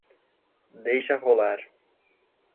Deixa rolar.